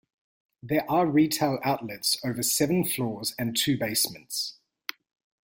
There are retail outlets over seven floors and two basements.